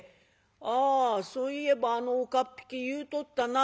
「ああそういえばあの岡っ引き言うとったな。